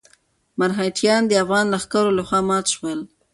مرهټیان د افغان لښکرو لخوا مات شول.